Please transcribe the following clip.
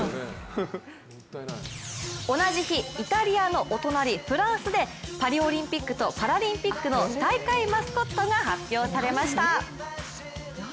同じ日、イタリアのお隣フランスでパリオリンピックとパラリンピックの大会マスコットが発表されました。